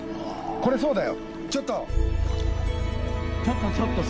これそうだよ！